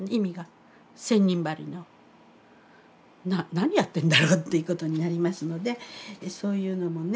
何やってんだろうっていうことになりますのでそういうのもね。